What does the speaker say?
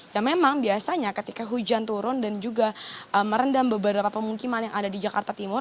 yang memang biasanya ketika hujan turun dan juga merendam beberapa pemukiman yang ada di jakarta timur